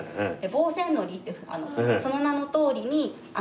防染糊ってその名のとおりにはあ！